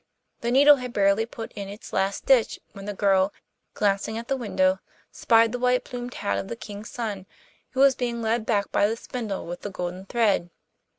The needle had barely put in its last stitch when the girl, glancing at the window, spied the white plumed hat of the King's son who was being led back by the spindle with the golden thread.